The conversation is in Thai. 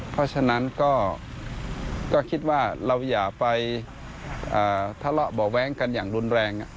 เพราะฉะนั้นก็คิดว่าเราอย่าไปทะเลาะเบาะแว้งกันอย่างรุนแรง